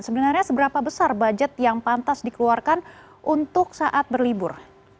sebenarnya seberapa besar budget yang pantas dikeluarkan untuk saat berlibur